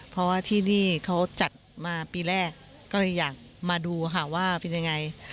เพราะว่าที่นี่เขาจัดมาปีแรกก็เลยอยากมาดูค่ะว่าเป็นยังไง